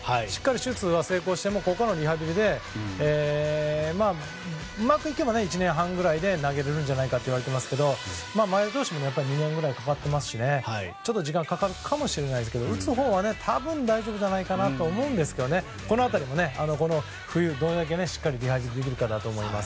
手術は成功してもここからのリハビリでうまくいけば１年半ぐらいで投げられるんじゃないかといわれていますが前田投手も２年ぐらいかかっていますからちょっと時間がかかるかもしれないですけど打つほうはたぶん大丈夫じゃないかなと思うんですがこの辺りもこの冬、どれだけリハビリできるかだと思います。